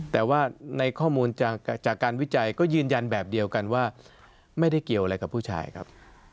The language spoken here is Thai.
แต่ว่าในข้อมูลจากการวิจัยก็ยืนยันแบบเดียวกันว่าไม่ได้เกี่ยวอะไรกับผู้ชายครับ